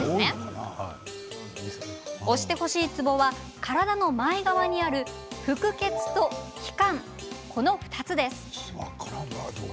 押してほしいツボは体の前側にある腹結と髀関この２つ。